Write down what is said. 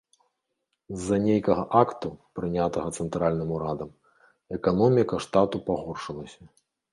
З-за нейкага акту, прынятага цэнтральным урадам, эканоміка штату пагоршылася.